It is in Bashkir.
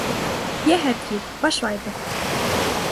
Йәһәт кил, башлайбыҙ.